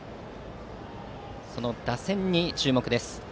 その打線に注目です。